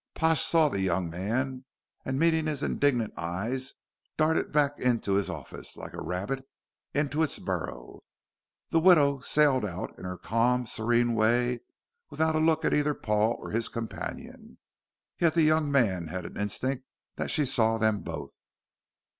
Pash saw the young man, and meeting his indignant eyes darted back into his office like a rabbit into its burrow. The widow sailed out in her calm, serene way, without a look at either Paul or his companion. Yet the young man had an instinct that she saw them both.